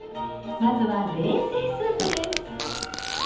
まずは冷製スープです。